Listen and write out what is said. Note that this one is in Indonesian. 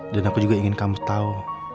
dan aku juga ingin kamu tau